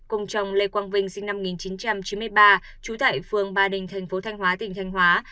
cùng chồng lê quang vinh sinh năm một nghìn chín trăm chín mươi ba trú tại phường ba đình thành phố thanh hóa tỉnh thanh hóa